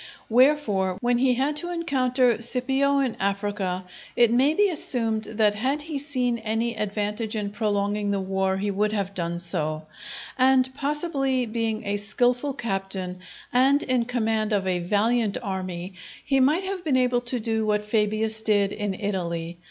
Wherefore, when he had to encounter Scipio in Africa, it may be assumed that had he seen any advantage in prolonging the war he would have done so; and, possibly, being a skilful captain and in command of a valiant army, he might have been able to do what Fabius did in Italy.